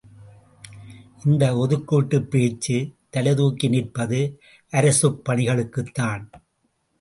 இந்த ஒதுக்கீட்டுப் பேச்சு தலை தூக்கி நிற்பது அரசுப் பணிகளுக்குத் தான்!